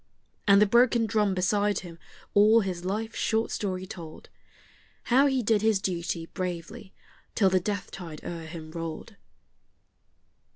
And the broken drum beside him all his life's short story told: How he did his duty bravely till the death tide o'er him rolled.